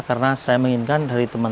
karena saya menginginkan dari teman